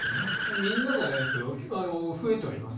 みんなではないけど増えてはいますね。